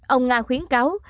ông nga khuyến cáo